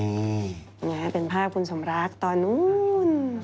เป็นภาพคุณสมรักษ์ตอนนู้น